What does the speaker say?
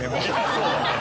そうだね。